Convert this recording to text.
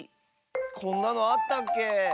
こんなのあったっけ？